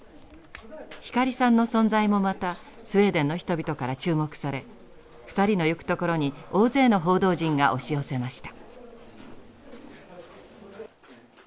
光さんの存在もまたスウェーデンの人々から注目され２人の行く所に大勢の報道陣が押し寄せました。